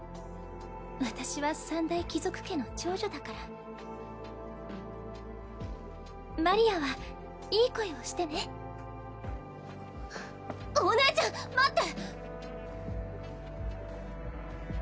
私は三大貴族家の長女だからマリアはいい恋をしてねお姉ちゃん待って！